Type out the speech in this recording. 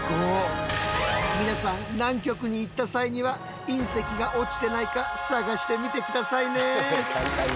皆さん南極に行った際には隕石が落ちてないか探してみてくださいね。